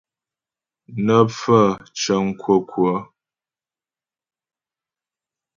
Nə́ pfaə̂ cəŋ kwə́kwə́.